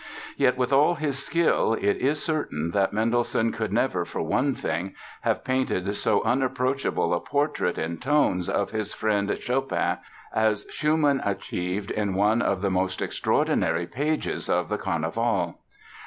Yet with all his skill it is certain that Mendelssohn could never, for one thing, have painted so unapproachable a portrait in tones of his friend Chopin as Schumann achieved in one of the most extraordinary pages of the "Carnival".